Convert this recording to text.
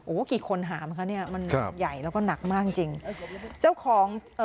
โอ้วกี่คนหามันค่ะมันใหญ่แล้วก็หนักมากจริง